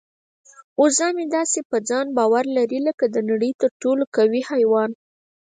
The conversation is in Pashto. وزه مې داسې په ځان باور لري لکه د نړۍ تر ټولو قوي حیوان.